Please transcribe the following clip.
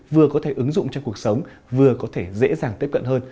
vừa có thể ứng dụng trong cuộc sống vừa có thể dễ dàng tiếp cận hơn